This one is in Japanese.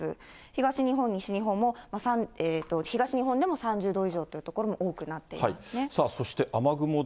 東日本、西日本も、東日本でも３０度以上という所も多くなっているんですね。